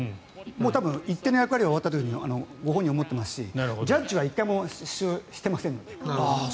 多分一定の役割は終わったとご本人は思ってますしジャッジは１回も出場してませんから。